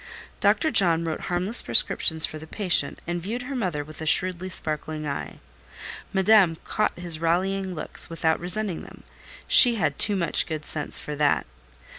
Dr. John wrote harmless prescriptions for the patient, and viewed her mother with a shrewdly sparkling eye. Madame caught his rallying looks without resenting them—she had too much good sense for that.